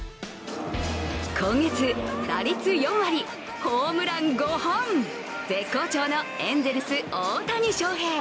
今月、打率４割、ホームラン５本、絶好調のエンゼルス・大谷翔平。